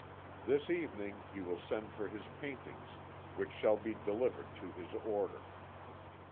This evening he will send for his paintings, which shall be delivered to his order.